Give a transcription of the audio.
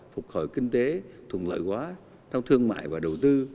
phục hồi kinh tế thuận lợi quá trong thương mại và đầu tư